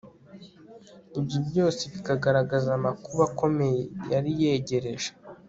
ibyo byose bikagaragaza amakuba akomeye yari yegereje